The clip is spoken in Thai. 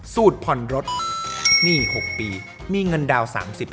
ผ่อนรถหนี้๖ปีมีเงินดาวน๓๐